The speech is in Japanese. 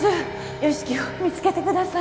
由樹を見つけてください